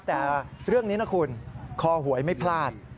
แต่เรื่องนี้นะคุณคอหวยไม่พลาด